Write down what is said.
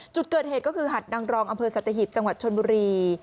จุดเกิดเหตุก็คือหัดนางรองอำเภอสัตหิบจังหวัดชนบุรี